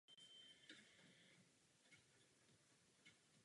Dnes odpoledne jsme hovořili o hospodářské situaci.